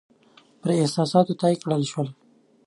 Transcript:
پر احساساتو طی کړای شول.